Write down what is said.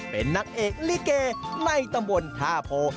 เป็นนักเอกลิเกไม่ตะมนต์ท่าโพ